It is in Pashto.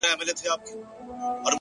د ارادې ثبات ناممکن ممکن کوي!